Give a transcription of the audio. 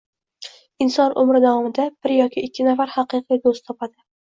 Inson umri davomida bir yoki ikki nafar haqiqiy doʻst topadi.